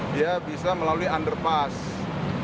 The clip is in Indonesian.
dia bisa melalui underpass